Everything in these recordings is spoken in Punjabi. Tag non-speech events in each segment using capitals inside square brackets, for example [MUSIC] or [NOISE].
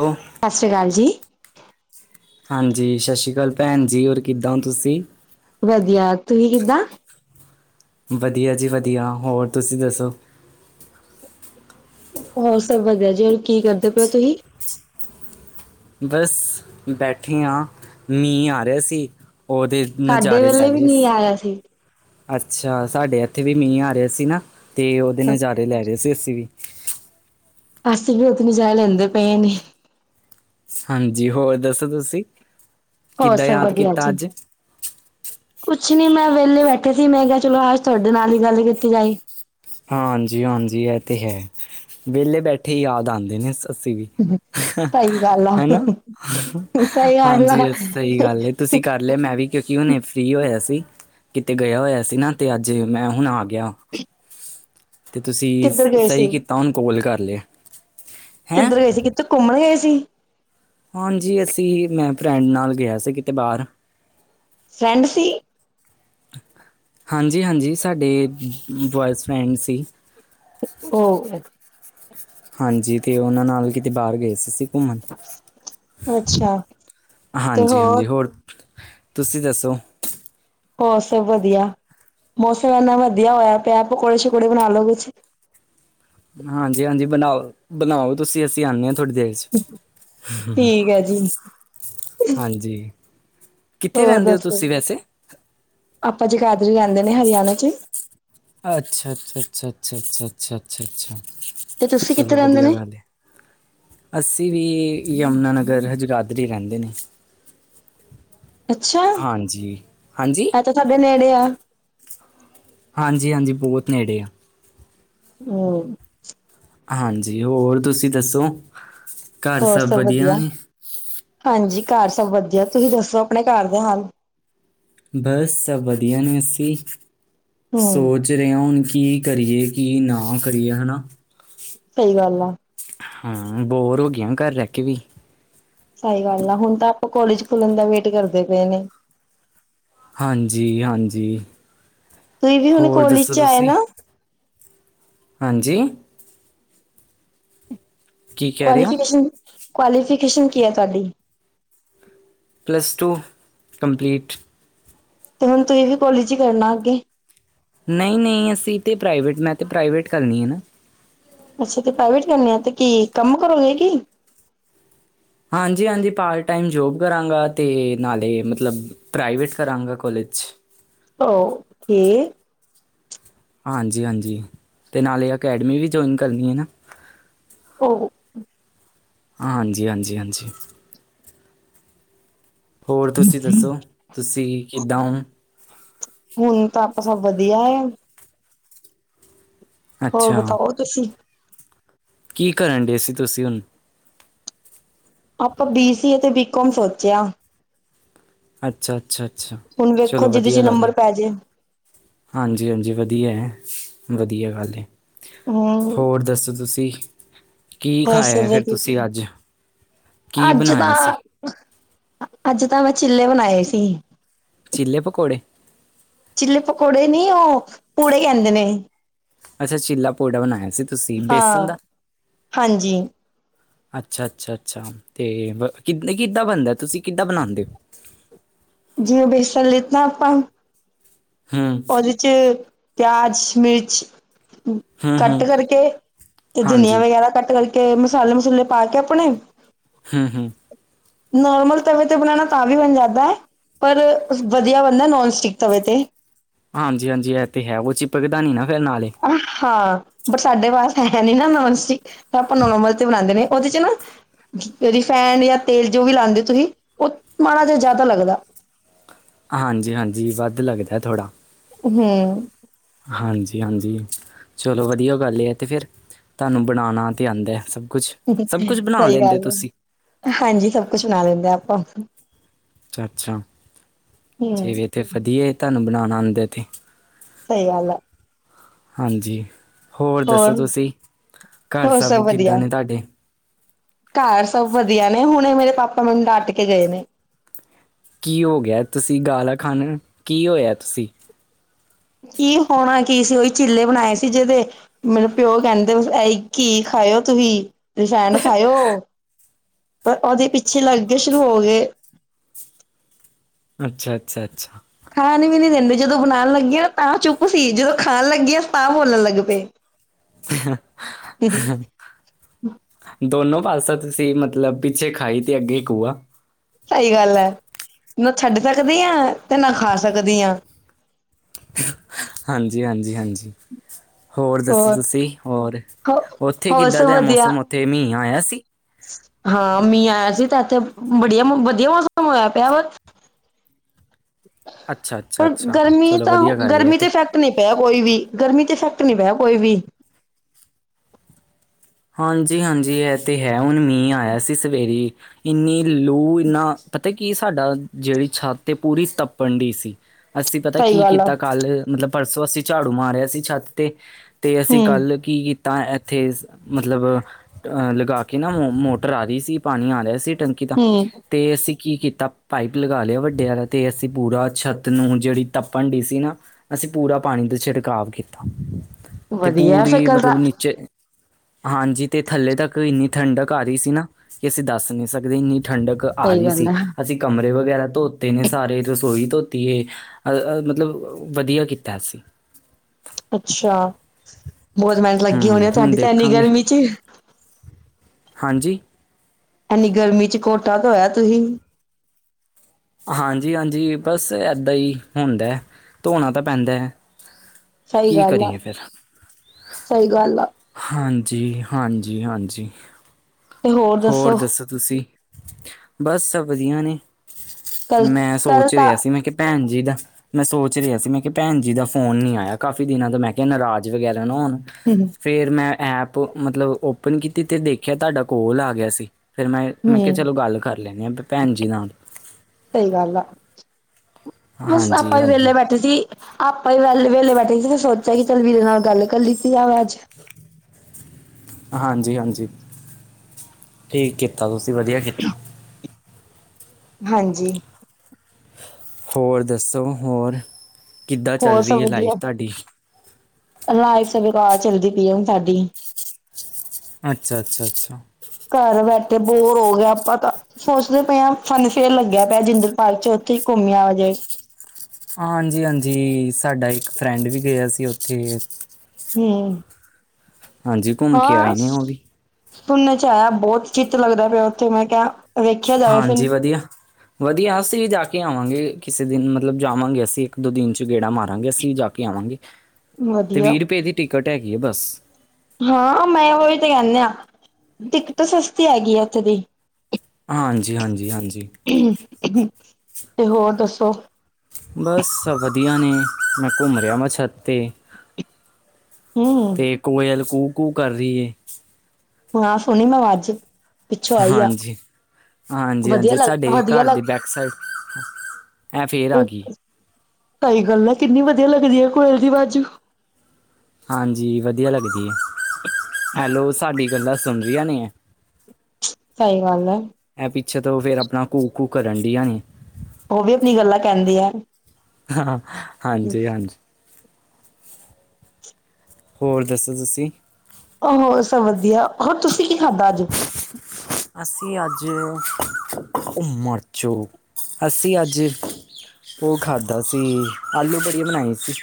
ਹੈਲੋ ਸਤਿ ਸ਼੍ਰੀ ਅਕਾਲ ਜੀ। ਹਾਂਜੀ ਸਤਿ ਸ਼੍ਰੀ ਅਕਾਲ ਭੈਣ ਜੀ। ਹੋਰ ਕਿੱਦਾਂ ਹੋ ਤੁਸੀਂ? ਵਧੀਆ ਤੁਸੀਂ ਕਿੱਦਾਂ? ਵਧੀਆ ਜੀ ਵਧੀਆ ਹੋਰ ਤੁਸੀਂ ਦੱਸੋ। ਹੋਰ ਸਭ ਵਧੀਆ ਜੀ। ਹੋਰ ਕੀ ਕਰਦੇ ਪਏ ਹੋ ਤੁਸੀਂ? ਬਸ ਬੈਠੇ ਹਾਂ। ਮੀਂਹ ਆ ਰਿਹਾ ਸੀ, ਉਹਦੇ‌ ਸਾਡੇ ਨਜ਼ਾਰੇ ਲੈ ਵੇਲੇ ਵੀ ਲਏ। ਨੀ ਆਇਆ ਸੀ ਅੱਛਾ, ਸਾਡੇ ਇੱਥੇ ਵੀ ਮੀਂਹ ਆ ਰਿਹਾ ਸੀ ਨਾ ਤੇ ਉਹਦੇ ਨਜ਼ਾਰੇ ਲੈ ਰਹੇ ਸੀ ਅਸੀਂ ਵੀ। ਅਸੀਂ ਵੀ ਉਥੇ ਨਜਾਰੇ ਲੈਂਦੇ ਪਏ ਨੇ। ਹਾਂਜੀ ਹੋਰ ਦੱਸੋ ਤੁਸੀਂ ਹੋਰ ਕਿੱਦਾਂ ਸਭ ਯਾਦ ਵਧੀਆ ਕੀਤਾ ਜੀ ਅੱਜ? ਕੁਛ ਨੀ ਮੈਂ ਵਿਹਲੇ ਬੈਠੇ ਸੀ, ਮੈਂ ਕਿਹਾ ਚਲੋ ਅੱਜ ਤੁਹਾਡੇ ਨਾਲ ਹੀ ਗੱਲ ਕੀਤੀ ਜਾਏ। ਹਾਂਜੀ-ਹਾਂਜੀ ਇਹ ਤੇ ਹੈ। ਵਿਹਲੇ ਬੈਠੇ ਈ ਯਾਦ ਆਉਂਦੇ ਨੇ ਅਸੀਂ ਵੀ। ਸਹੀ ਗੱਲ ਆ ਹਨਾ ਸਹੀ ਗੱਲ ਹਾਂਜੀ ਆ ਸਹੀ ਗੱਲ ਐ। ਤੁਸੀਂ ਕਰ ਲਿਆ ਮੈਂ ਵੀ ਕਿਉਂਕਿ ਹੁਣੇ ਫ੍ਰਰੀ ਹੋਇਆ ਸੀ। ਕਿਤੇ ਗਿਆ ਹੋਇਆ ਸੀ ਨਾ ਤੇ ਅੱਜ ਮੈਂ ਹੁਣ ਆ ਗਿਆ। ਹ। ਤੇ ਤੁਸੀਂ ਸਹੀ ਕੀਤਾ ਹੁਣ ਕੋਲ ਕਰ ਲਿਆ। ਹੈਂ ਕਿੱਧਰ ਗਏ ਸੀ ਕਿੱਥੇ ਘੁੰਮਣ ਗਏ ਸੀ? ਹਾਂਜੀ ਅਸੀਂ ਮੈਂ ਫਰੈਂਡ ਨਾਲ ਗਿਆ ਸੀ ਕਿਤੇ ਬਾਹਰ। ਫਰੈਂਡ ਸੀ। ਹਾਂਜੀ-ਹਾਂਜੀ, ਸਾਡੇ ਬੋਆਏ ਫਰੈਂਡ ਸੀ। ਔਹ। ਹਾਂਜੀ, ਤੇ ਉਹਨਾਂ ਨਾਲ ਕਿਤੇ ਬਾਹਰ ਗਏ ਸੀ ਅਸੀਂ। ਘੁੰਮਣ ਅੱਛਾ ਹਾਂਜੀ-ਹਾਂਜੀ ਹੋਰ ਤੁਸੀਂ ਦੱਸੋ। ਹੋਰ ਸਭ ਵਧੀਆ। ਮੌਸਮ ਐੰਨਾ ਵਧੀਆ ਹੋਇਆ ਪਿਆ ਪਕੌੜੇ ਸ਼ਕੌੜੇ ਬਣਾ ਲਓ ਕੁਛ। ਹਾਂਜੀ-ਹਾਂਜੀ ਬਣਾਓ। ਬਣਾਓ ਤੁਸੀਂ ਅਸੀਂ ਆਉਂਦੇ ਹਾਂ ਤੁਹਾਡੀ ਦੇਰ ਠੀਕ ਹੈ ਜੀ ਹਾਂਜੀ। ਕਿੱਥੇ ਹੋਰ ਰਹਿੰਦੇ ਹੋ ਦੱਸੋ। ਤੁਸੀਂ ਵੈਸੇ ਆਪਾਂ ਜਗਾਦਰੀ ਆਂਦੇ ਨੇ ਹਰਿਆਣਾ ਚ। ਅੱਛਾ-ਅੱਛਾ, ਅੱਛਾ-ਅੱਛਾ, ਅੱਛਾ-ਅੱਛਾ, ਅੱਛਾ-ਅੱਛਾ। ਤੇ ਤੁਸੀਂ ਕਿੱਥੇ ਰਹਿੰਦੇ ਨੇ? ਅਸੀਂ ਵੀ ਯਮੁਨਾਨਗਰ ਜਗਾਦਰੀ ਰਹਿੰਦੇ ਨੇ। ਅੱਛਾ, ਹਾਂਜੀ ਹਾਂਜੀ ਐ ਤਾਂ ਸਾਡੇ ਨੇੜੇ ਆ। ਹਾਂਜੀ-ਹਾਂਜੀ ਬਹੁਤ ਨੇੜੇ ਆ। ਹੂੰ। ਹਾਂਜੀ ਹੋਰ ਤੁਸੀਂ ਦੱਸੋ। ਹੋਰ ਸਭ ਵਧੀਆ। ਹਾਂਜੀ, ਘਰ ਸਭ ਵਧੀਆ। ਤੁਸੀਂ ਦੱਸੋ ਆਪਣੇ ਘਰ ਦਾ ਹਾਲ? ਬਸ ਸਭ ਵਧੀਆ ਨੇ ਅਸੀਂ ਸੋ ਹਮ ਸੋਚ ਰਹੇ ਹੁਣ ਕੀ ਕਰੀਏ ਕੀ ਨਾ ਕਰੀਏ ਹਨਾ। ਸਹੀ ਗੱਲ ਆ। ਹਾਂ, ਬੋਰ ਹੋ ਗਿਆ ਘਰ ਰਹਿ ਕੇ ਵੀ। ਸਹੀ ਗੱਲ ਆ। ਹੁਣ ਤਾਂ ਆਪਾਂ ਕਾਲਜ ਖੁੱਲਣ ਦਾ ਵੇਟ ਕਰਦੇ ਪਏ ਨੇ। ਹਾਂਜੀ-ਹਾਂਜੀ ਤੁਸੀਂ ਵੀ ਹੁਣ ਹੋਰ ਕੋਲਜ ਦੱਸੋ ਚ ਆਏ ਤੁਸੀਂ। ਨਾ ਹਾਂਜੀ। ਕੀ ਕਹਿ ਰਹੇ ਹੋ ਕੁਆਲੀਫਿਕੇਸ਼ਨ, ਕੁਆਲੀਫਿਕੇਸ਼ਨ ਕੀ ਐ ਤੁਹਾਡੀ? Plus two complete. ਤੇ ਹੁਣ ਤੁਸੀਂ ਵੀ ਕੋਲਜ ਹੀ ਕਰਨਾ ਅੱਗੇ। ਨਹੀਂ- ਨਹੀਂ, ਅਸੀਂ ਤੇ ਪ੍ਰਾਈਵੇਟ ਮੈਂ ਤੇ ਪ੍ਰਾਈਵੇਟ ਕਰਨੀ ਹੈ ਨਾ। ਅੱਛਾ ਤੇ ਪ੍ਰਾਈਵੇਟ ਕਰਨੇ ਆ ਤੇ ਕੀ ਕੰਮ ਕਰੋਗੇ ਕੀ। ਹਾਂਜੀ- ਹਾਂਜੀ, ਪਾਰਟ ਟਾਈਮ ਜੋਬ ਕਰਾਂਗਾ ਅਤੇ ਨਾਲੇ ਮਤਲਬ। ਪ੍ਰਾਈਵੇਟ ਕਰਾਂਗਾ ਕੋਲੇਜ। ਓ ਕੇ ਹਾਂਜੀ- ਹਾਂਜੀ, ਅਤੇ ਨਾਲੇ ਅਕੈਡਮੀ ਵੀ ਜੁਆਇਨ ਕਰਨੀ ਹੈ ਨਾ। ਓ ਹਾਂ ਹਾਂਜੀ ਹਾਂਜੀ ਹਾਂਜੀ ਹੋਰ ਤੁਸੀਂ ਦੱਸੋ ਤੁਸੀਂ ਕਿੱਦਾਂ ਹੋ? ਹੁਣ ਤਾਂ ਆਪਾਂ ਸਭ ਵਧੀਆ ਹੈ। ਹੋਰ ਅੱਛਾ ਬਤਾਓ ਤੁਸੀਂ ਕੀ ਕਰਨ ਡਏ ਸੀ ਤੁਸੀਂ ਹੁਣ? ਆਪਾਂ ਬੀ ਸੀ ਅਤੇ ਬੀਕੋਮ ਸੋਚਿਆ ਅੱਛਾ ਅੱਛਾ ਅੱਛਾ ਹੁਣ ਵੇਖੋ ਚਲੋ ਜਿਹਦੇ ਚ ਵਧੀਆ ਗੱਲ ਨੰਬਰ ਹੈ ਪੈ ਜੇ। ਹਾਂਜੀ ਹਾਂਜੀ ਵਧੀਆ ਹੈ, ਵਧੀਆ ਗੱਲ ਹੈ। ਹਮ ਹੋਰ ਦੱਸੋ ਤੁਸੀਂ? ਕੀ ਹੋਰ ਬਸ ਖਾਇਆ ਫਿਰ ਵਧੀਆ ਤੁਸੀਂ ਜੀ, ਅੱਜ ਕੀ ਅੱਜ ਬਣਾਇਆ ਤਾਂ ਸੀ ਅੱਜ ਤਾਂ ਮੈਂ ਚਿੱਲੇ ਬਣਾਏ ਸੀ। ਚਿੱਲੇੇ ਪਕੌੜੇ ਚਿੱਲੀ ਪਕੌੜੇ ਨੀ ਉਹ ਪੂੜੇ ਕਹਿੰਦੇ ਨੇ। ਅੱਛਾ ਚੀਲਾ ਪੌੜਾ ਬਣਾਇਆ ਸੀ। ਤੁਸੀਂ ਬੇਸਨ ਹਾਂ ਦਾ ਹਾਂਜੀ ਅੱਛਾ ਅੱਛਾ ਅੱਛਾ ਅਤੇ ਕਿੱਦਾਂ ਬਣਦਾ ਤੁਸੀਂ ਕਿੱਦਾਂ ਬਣਾਉਂਦੇ ਹੋ? ਜਿਵੇਂ ਬੇਸਨ ਲੀਤਾ ਨਾ ਆਪਾਂ। ਹਾਂ ਵਿਚ ਪਿਆਜ਼ ਮਿਰਚ ਹੂੰ ਕੱਟ ਹੂੰ ਕਰਕੇ ਤੇ ਧਨੀਆ ਹਾਂਜੀ ਵਗੈਰਾ ਕੱਟ ਕਰਕੇ ਮਸਾਲੇ ਮਸੂਲੇ ਪਾ ਕੇ ਆਪਣੇ ਹੂੰ ਹੂੰ ਨੋਰਮਲ ਤਵੇ ਤੇ ਬਣਾਉਣਾ ਤਾਂ ਵੀ ਬਣ ਜਾਂਦਾ ਹੈ। ਪਰ ਵਧੀਆ ਬੰਦਾ ਨੋਨ ਸਟਿਕ ਤਵੇ ਤੇ। ਹਾਂਜੀ ਹਾਂਜੀ ਇਹ ਤੇ ਹੈ ਉਹ ਚਿਪਕਦਾ ਨੀ ਨਾ ਫਿਰ ਨਾਲੇ। ਹਾਂ ਪਰ ਸਾਡੇ ਵਾਸਤੇ ਹੈ ਨੀ ਨਾ ਨੋਨਸਟੀਕ। ਆਪਾਂ ਨੋਲਮਲ ਤੇ ਬਣਾਉਂਦੇ ਨੇ ਉਹਦੇ ਚ ਨਾ ਰਿਫੈਨਡ ਜਾਂ ਤੇਲ ਜੋ ਵੀ ਲਾਉਂਦੇ ਹੋ ਤੁਸੀਂ ਉਹ ਮਾੜਾ ਜਿਹਾ ਜ਼ਿਆਦਾ ਲੱਗਦਾ। ਹਾਂਜੀ ਹਾਂਜੀ ਵੱਧ ਲੱਗਦਾ ਥੋੜ੍ਹਾ। ਹੂੰ ਹਾਂਜੀ ਹਾਂਜੀ ਚਲੋ ਵਧੀਆ ਗੱਲ ਇਹ ਤੇ ਫਿਰ ਤੁਹਾਨੂੰ ਬਣਾਉਣਾ ਤੇ ਆਉਂਦਾ ਹੈ, ਸਭ ਕੁਛ ਸਹੀ ਗੱਲ ਹੈ, ਹਾਂਜੀ ਸਭ ਕੁਛ ਬਣਾ ਲੈਂਦੇ ਆਪਾਂ। ਅੱਛਾ ਅੱਛਾ, ਹਮ ਜੇਵੇ ਤਾਂ ਵਧੀਆ ਤੁਹਾਨੂੰ ਬਣਾਉਣਾ ਆਉਂਦਾ ਤੇ ਸਹੀ ਗੱਲ ਆ। ਹਾਂਜੀ ਹੋਰ ਦੱਸੋ, ਤੁਸੀਂ ਘਰ ਹੋਰ ਸਭ ਕਿੱਦਾਂ ਵਧੀਆ ਨੇ ਤੁਹਾਡੇ। ਘਰ ਸਭ ਵਧੀਆ ਨੇ ਹੁਣੇ ਮੇਰੇ ਪਾਪਾ ਮੈਨੂੰ ਡੱਟ ਕੇ ਗਏ ਨੇ। ਕੀ ਹੋ ਗਿਆ ਤੁਸੀਂ ਗਾਲਾ ਖਾਣਾ ਕੀ ਹੋਇਆ ਤੁਸੀਂ। ਕੀ ਹੋਣਾ ਕੀ ਸੀ, ਉਹੀ ਚਿੱਲੇ ਬਣਾਏ ਸੀ। ਜਿਹਦੇ ਮਤਲਬ ਮੇਰੇ ਪਿਓ ਕਹਿੰਦੇ ਐ ਕੀ ਖਾਇਓ ਤੁਸੀਂ ਰਿਸਾਇਣ ਖਾਇਓ ਪਰ ਉਹਦੇ ਪਿੱਛੇ ਲੱਗਗੇ ਸ਼ੁਰੂ ਹੋ ਗਏ ਅੱਛਾ ਅੱਛਾ ਅੱਛਾ ਖਾਣ ਵੀ ਨਹੀਂ ਦਿੰਦੇ ਜਦੋਂ ਬਣਾਉਣ ਲੱਗੇ ਤਾਂ ਚੁੱਪ ਸੀ, ਜਦੋਂ ਖਾਣ ਲੱਗੀਆਂ ਤਾਂ ਬੋਲਣ ਲੱਗ ਪਏ ਹ [INAUDIBLE] ਦੋਨੋ ਪਾਸਾ ਤੁਸੀਂ ਮਤਲਬ ਪਿੱਛੇ ਖਾਈ ਤੇ ਅੱਗੇ ਕੂਆਂ ਸਹੀ ਗੱਲ ਹੈ ਨਾ ਛੱਡ ਸਕਦੀ ਆਂ ਤੇ ਨਾ ਖਾ ਸਕਦੀ ਆਂ ਹਾਂਜੀ ਹਾਂਜੀ ਹਾਂਜੀ ਹੋਰ ਦੱਸੋ ਤੁਸੀਂ ਹੋਰ ਹੋ ਉੱਥੇ ਹੋਰ ਕਿੱਦਾਂ ਸਭ ਦਾ ਵਧੀਆ ਮੌਸਮ ਉੱਥੇ ਮੀਂਹ ਆਇਆ ਸੀ ਹਾਂ ਮੀਂਹ ਆਇਆ ਸੀ ਤੇ ਇੱਥੇ ਬਹੁਤ ਵਧੀਆ ਵਧੀਆ ਮੌਸਮ ਹੋਇਆ ਪਿਆ ਵਾ ਅੱਛਾ ਅੱਛਾ ਪਰ ਅੱਛਾ ਗਰਮੀ ਚਲੋ ਤਾਂ ਵਧੀਆ ਗੱਲ ਏ ਇਹ ਗਰਮੀ ਤੇ ਈਫੈਕਟ ਫੈਕਟ ਨਹੀਂ ਪਿਆ ਕੋਈ ਵੀ ਗਰਮੀ ਚ ਇਫੈਕਟ ਨਹੀਂ ਪੇਯਾ ਕੋਈ ਵੀ ਹਾਂਜੀ ਹਾਂਜੀ ਇਹ ਤੇ ਹੈ ਹੁਣ ਮੀਂਹ ਆਇਆ ਸੀ ਸਵੇਰੇ ਇੰਨੀ ਲੂ ਇੰਨਾ ਪਤਾ ਕੀ ਸਾਡਾ ਜਿਹੜੀ ਛੱਤ ਹੈ ਪੂਰੀ ਤੱਪਣ ਡਈ ਸੀ ਅਸੀਂ ਪਤਾ ਸਹੀ ਕੀ ਗੱਲ ਆ ਕੀਤਾ ਕੱਲ ਮਤਲਬ ਪਰਸੋਂ ਅਸੀਂ ਝਾੜੂ ਮਾਰਿਆ ਸੀ ਛੱਤ ਤੇ ਤੇ ਹੂੰ ਅਸੀਂ ਕੱਲ੍ਹ ਕੀ ਕੀਤਾ ਇੱਥੇ ਮਤਲਬ ਅ ਲਗਾ ਕੇ ਨਾ ਮੋਟਰ ਆ ਰਹੀ ਸੀ ਪਾਣੀ ਆ ਰਿਹਾ ਸੀ ਟੈਂਕੀ ਦਾ ਹੂੰ ਤੇ ਅਸੀਂ ਕੀ ਕੀਤਾ ਪਾਈਪ ਲਗਾ ਲਿਆ ਵੱਡਿਆਂ ਵਾਲਾ ਅਤੇ ਅਸੀਂ ਪੂਰਾ ਛੱਤ ਨੂੰ ਜਿਹੜੀ ਤੱਪਣ ਡੀ ਸੀ ਨਾ ਅਸੀਂ ਪੂਰਾ ਪਾਣੀ ਦੇ ਛਿੜਕਾਵ ਕੀਤਾ ਤੇ ਵਧੀਆ ਫਿਰ ਪੂਰੀ ਕੱਲ ਦਾ ਮਤਲਬ ਨੀਚੇ ਹਾਂਜੀ ਤੇ ਥੱਲੇ ਤੱਕ ਇੰਨੀ ਠੰਡਕ ਆ ਰਹੀ ਸੀ ਨਾ ਕਿ ਅਸੀਂ ਦੱਸ ਨਹੀਂ ਸਕਦੇ ਇੰਨੀ ਠੰਡਕ ਆ ਸਹੀ ਰਹੀ ਗੱਲ ਸੀ, ਆ ਅਸੀਂ ਕਮਰੇ ਵਗੈਰਾ ਧੋਤੇ ਨੇ ਸਾਰੇ ਰਸੋਈ ਧੋਤੀ ਹੈ ਅ ਮਤਲਬ ਵਧੀਆ ਕੀਤਾ ਅਸੀ ਅੱਛਾ ਬਹੁਤ ਮਿਹਨਤ ਲੱਗੀ ਹੋਣੀ ਹੂੰ ਆ ਹੁਣ ਤੁਹਾਡੀ ਤਾਂ ਇਨੀ ਦੇਖਾਂਗੇ ਗਰਮੀ ਚ ਹਾਂਜੀ ਐਨੀ ਗਰਮੀ ਚ ਕੋਠਾ ਧੋਇਆ ਤੁਸੀਂ ਹਾਂਜੀ ਹਾਂਜੀ ਬਸ ਏਦਾਂ ਹੀ ਹੁੰਦਾ ਧੋਣਾ ਤਾਂ ਪੈਂਦਾ ਹੈ ਸਹੀ ਕੀ ਗੱਲ ਆ ਕਰੀਏ ਫਿਰ ਸਹੀ ਗੱਲ ਆ ਹਾਂਜੀ ਹਾਂਜੀ ਹਾਂਜੀ ਹੋਰ ਦੱਸੋ ਤੁਸੀਂ ਬਸ ਸਭ ਵਧੀਆ ਨੇ ਕੱਲ ਮੈਂ ਕੱਲ ਸੋਚ ਤਾਂ ਰਿਹਾ ਸੀ ਮੈਂ ਕਿਹਾ ਭੈਣ ਜੀ ਦਾ ਮੈਂ ਸੋਚ ਰਿਹਾ ਸੀ ਮੈਂ ਕਿਹਾ ਭੈਣ ਜੀ ਦਾ ਫੋਨ ਨ ਨਹੀਂ ਆਇਆ ਕਾਫ਼ੀ ਦਿਨਾਂ ਤੋਂ, ਮੈਂ ਕਿਹਾ ਨਾਰਾਜ਼ ਵਗੈਰਾ ਨਾ ਹੋਣ ਹਮ [INAUDIBLE] ਫੇਰ ਮੈਂ ਐਪ ਮਤਲਬ ਓਪਨ ਕੀਤੀ ਤੇ ਦੇਖਿਆ ਤੁਹਾਡਾ ਕਾੱਲ ਆ ਗਿਆ ਸੀ ਫੇਰ ਮੈਂ ਮੈਂ ਕਿਹਾ ਹੂੰ ਚਲੋ ਗੱਲ ਕਰ ਲੈਂਨੇ ਆਂ ਭੈਣ ਜੀ ਨਾਲ ਸਹੀ ਗੱਲ ਆ ਬਸ ਹਾਂਜੀ ਆਪਾਂ ਵੀ ਹਾਂਜੀ ਵੇਲੇ ਬੈਠੇ ਸੀ ਆਪਾਂ ਵੀ ਵਹਲੇ ਵਹਲੇ ਬੈਠੇ ਸੀ ਫਿਰ ਸੋਚਿਆ ਕਿ ਚੱਲ ਵੀਰੇ ਨਾਲ ਗੱਲ ਕਰ ਲਤੀ ਜਾਵੇ ਅੱਜ ਹਾਂਜੀ ਹਾਂਜੀ ਠੀਕ ਕੀਤਾ ਤੁਸੀਂ ਵਧੀਆ ਕੀਤਾ ਹਾਂਜੀ ਹੋਰ ਦੱਸੋ ਹੋਰ ਕਿੱਦਾਂ ਚੱਲ ਹੋਰ ਰਹੀ ਸਭ ਹੈ ਲਾਈਫ ਵਧੀਆ ਤੁਹਾਡੀ ਲਾਈਫ ਬਕਾਰ ਚੱਲਦੀ ਪਈ ਹੈ ਹੁਣ ਸਾਡੀ ਅੱਛਾ ਅੱਛਾ ਅੱਛਾ ਘਰ ਬੈਠੇ ਬੋਰ ਹੋ ਗਏ ਆਂ ਆਪਾਂ ਤਾਂ ਸੋਚਦੇ ਪਏ ਹਾਂ ਫਨ ਫੇਯਰ ਲੱਗਿਆ ਪਿਆ ਜਿੰਦਰ ਪਾਰਕ ਚ ਉੱਥੇ ਹੀ ਘੁੰਮਿਆ ਜਾਏ ਹਾਂਜੀ ਹਾਂਜੀ ਸਾਡਾ ਇੱਕ ਫਰੈਂਡ ਵੀ ਗਿਆ ਸੀ ਉੱਥੇ ਹੂ ਹਾਂਜੀ ਘੁੰਮ ਕੇ ਹਾਂ, ਆਏ ਨੇ ਉਹ ਵੀ ਸੁਣਨ ਚ ਆਇਆ ਬਹੁਤ ਚਿੱਤ ਲੱਗਦਾ ਪਿਆ ਉੱਥੇ ਮੈਂ ਕਿਹਾ ਵੇਖਿਆ ਜਾਵੇ ਹਾਂਜੀ ਫਿਰ ਵਧੀਆ। ਵਧੀਆ ਅਸੀਂ ਵੀ ਜਾ ਕੇ ਆਵਾਂਗੇ ਕਿਸੇ ਦਿਨ ਮਤਲਬ ਜਾਵਾਂਗੇ ਅਸੀਂ ਇੱਕ-ਦੋ ਦਿਨ 'ਚ ਗੇੜਾ ਮਾਰਾਂਗੇ ਅਸੀਂ ਜਾ ਕੇ ਆਵਾਂਗੇ, ਤੇ ਵਧੀਆ ਵੀਹ ਰੁਪਏ ਦੀ ਟਿਕਟ ਹੈਗੀ ਏ ਬਸ। ਹਾਂ ਮੈਂ ਉਹੀ ਤੇ ਕਹਿੰਨੇ ਆ, ਟਿਕਟ ਸਸਤੀ ਹੈਗੀ ਆ ਉੱਥੇ ਦੀ। ਹਾਂਜੀ ਹਾਂਜੀ ਹਾਂਜੀ। ਤੇ ਹੋਰ ਦੱਸੋ। ਬਸ ਵਧੀਆ ਨੇ, ਮੈਂ ਘੁੰਮ ਰਿਹਾ ਵਾ ਛੱਤ 'ਤੇ। ਹੂੰ-ਹੂੰ ਅਤੇ ਕੋਇਲ ਕੂ-ਕੂ ਕਰ ਰਹੀ ਏ। ਆਵਾਜ਼ ਸੁਣੀ ਮੈਂ ਅੱਜ। ਪਿੱਛੋਂ ਆਈ ਆ ਹਾਂਜੀ ਵਧੀਆ ਹਾਂਜੀ-ਹਾਂਜੀ ਲੱਗ ਸਾਡੇ ਵਧੀਆ ਘਰ ਲੱਗ ਦੀ ਬੈਕ ਸਾਈਡ, ਐ ਫਿਰ ਆ ਉਹ ਗੀ। ਸਹੀ ਗੱਲ ਨਾ ਕਿੰਨੀ ਵਧੀਆ ਲੱਗਦੀ ਹੈ ਕੋਇਲ ਦੀ ਬਾਜੂ। ਹਾਂਜੀ ਵਧੀਆ ਲੱਗਦੀ ਹੈ। ਐ ਲੋ ਸਾਡੀ ਗੱਲਾਂ ਸੁਣ ਰਹੀਆਂ ਨੇ। ਸਹੀ ਗੱਲ ਐ। ਐ ਪਿੱਛੇ ਤੋਂ ਫਿਰ ਆਪਣਾ ਘੂ-ਘੂ ਕਰਨ ਡਈਆਂ ਨੇ। ਉਹ ਵੀ ਆਪਣੀ ਗੱਲਾਂ ਕਹਿੰਦੀ ਆ। ਹਾਂ ਹਾਂਜੀ-ਹਾਂਜੀ। ਹੋਰ ਦੱਸੋ ਤੁਸੀਂ? ਅ ਹੋਰ ਸਭ ਵਧੀਆ, ਹੋਰ ਤੁਸੀਂ ਕੀ ਖਾਧਾ ਅੱਜ? ਅਸੀਂ ਅੱਜ, ਓ ਮਰ ਜੋ, ਅਸੀਂ ਅੱਜ ਉਹ ਖਾਧਾ ਸੀ ਆਲੂ ਵੜੀਆ ਬਣਾਈ ਸੀ।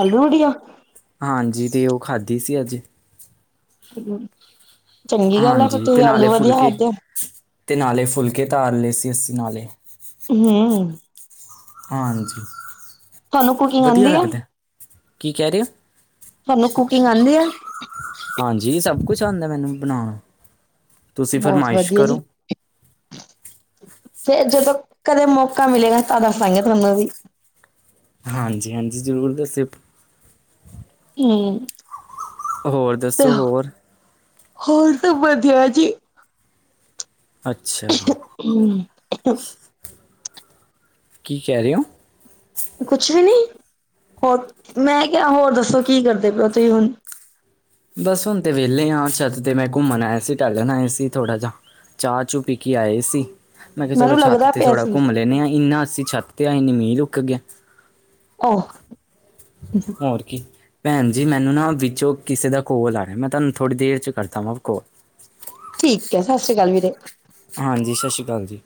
ਆਲੂ ਵੜੀਆਂ? ਹਾਂਜੀ ਤੇ ਉਹ ਖਾਧੀ ਸੀ ਅੱਜ। ਚੰਗੀ ਗੱਲ ਆ ਫਿਰ ਹਾਂਜੀ ਤੁਸੀਂ ਤੇ ਨਾਲੇ ਆਲੂ ਵਧੀਆ ਫੁਲਕੇ ਖਾਧੇ। ਤੇ ਨਾਲੇ ਫੁਲਕੇ ਤਾਰ ਲਏ ਸੀ ਅਸੀਂ ਨਾਲੇ। ਹੂੰ ਹਾਂਜੀ, ਤੁਹਾਨੂੰ ਕੁਕਿੰਗ ਵਧੀਆ ਆਉਂਦੀ ਆ ਲੱਗਦਾ, ਕੀ ਕਹਿ ਰਹੇ ਹੋ? ਤੁਹਾਨੂੰ ਕੁਕਿੰਗ ਆਂਦੀ ਐ? ਹਾਂਜੀ ਸਭ ਕੁਛ ਆਂਦਾ ਮੈਨੂੰ ਬਣਾਣਾ। ਬਹੁਤ ਵਧੀਆ ਜੀ। ਫੇਰ ਜਦੋਂ ਕਦੇ ਮੌਕਾ ਮਿਲੇਗਾ ਤਾਂ ਦੱਸਾਂਗੇ ਤੁਹਾਨੂੰ ਵੀ। ਹਾਂਜੀ-ਹਾਂਜੀ ਜ਼ਰੂਰ ਦੱਸਿਓ। ਹੂੰ ਹੋਰ ਦੱਸੋ ਹੋਰ? ਹੋਰ ਤਾਂ ਵਧੀਆ ਜੀ। ਅੱਛਾ। [UNINTELLIGIBLE] ਕੀ ਕਹਿ ਰਹੇ ਹੋ? ਕੁਛ ਵੀ ਨੀ, ਹੋਰ ਮੈਂ ਕਿਹਾ ਹੋਰ ਦੱਸੋ ਕੀ ਕਰਦੇ ਪਏ ਓ ਤੁਸੀਂ ਹੁਣ? ਬਸ ਹੁਣ ਤੇ ਵਿਹਲੇ ਆ ਛਤ ਤੇ ਮੈਂ ਘੁੰਮਣ ਆਇਆ ਸੀ, ਟਹਿਲਣ ਆਇਆ ਸੀ ਥੋੜ੍ਹਾ ਜਾ। ਚਾਹ-ਚੂ ਪੀ ਕੇ ਆਏ ਸੀ। ਮੈਂ ਕਿਹਾ ਚਲੋ ਮੈਨੂੰ ਛਤ ਲੱਗਦਾ ਤੇ ਪਿਆ ਥੋੜ੍ਹਾ ਸੀ ਘੁੰਮ ਲੈਂਦੇ ਆ, ਇੰਨਾ ਅਸੀਂ ਛੱਤ ਤੇ ਆ ਇੰਨੀ ਮੀਂਹ ਰੁਕ ਗਿਆ। ਓਹ [UNINTELLIGIBLE] ਹੋਰ ਕੀ, ਭੈਣ ਜੀ ਮੈਨੂੰ ਨਾ ਵਿੱਚੋਂ ਕਿਸੇ ਦਾ ਕੋਲ ਆ ਰਿਹਾ ਮੈਂ ਤੁਹਾਨੂੰ ਥੋੜੀ ਦੇਰ ਚ ਕਰਦਾ ਵਾਂ ਕੋਲ ਠੀਕ ਹੈ, ਸਤਿ ਸ੍ਰੀ ਅਕਾਲ ਵੀਰੇ। ਹਾਂਜੀ ਸਤਿ ਸ਼੍ਰੀ ਅਕਾਲ ਜੀ।